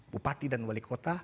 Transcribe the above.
bupati dan wali kota